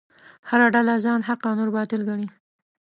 هره ډله ځان حق او نور باطل ګڼي.